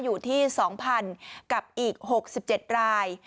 อยู่ที่๒๐๐๐กับอีก๖๗ราย